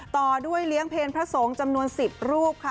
ต่อด้วยเลี้ยงเพลพระสงฆ์จำนวน๑๐รูปค่ะ